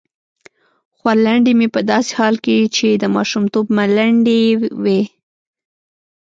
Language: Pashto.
خورلنډې مې په داسې حال کې چې د ماشومتوب ملنډې یې وې.